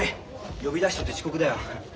呼び出しといて遅刻だよ。